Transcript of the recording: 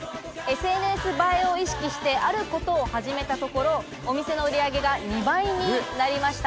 ＳＮＳ映えを意識してあることを始めたところ、お店の売り上げが２倍になりました。